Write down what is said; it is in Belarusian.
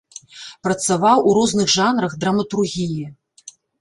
Працаваў ў розных жанрах драматургіі.